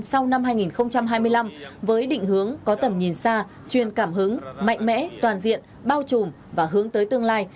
sau năm hai nghìn hai mươi năm với định hướng có tầm nhìn xa chuyên cảm hứng mạnh mẽ toàn diện bao trùm và hướng tới tương lai